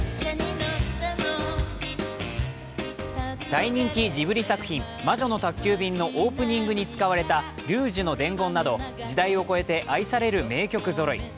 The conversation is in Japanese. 大人気ジブリ作品「魔女の宅急便」のオープニングに使われた「ルージュの伝言」など時代を越えて愛される名曲ぞろい。